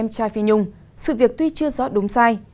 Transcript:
trai phi nhung sự việc tuy chưa rõ đúng sai